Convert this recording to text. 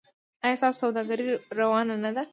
ایا ستاسو سوداګري روانه نه ده؟